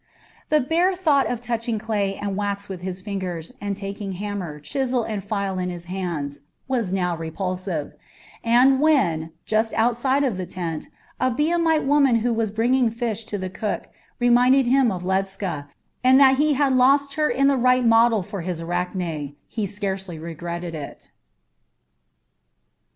The bare thought of touching clay and wax with his fingers, or taking hammer, chisel, and file in his hands, was now repulsive; and when, just outside of the tent, a Biamite woman who was bringing fish to the cook reminded him of Ledscha, and that he had lost in her the right model for his Arachne, he scarcely regretted it.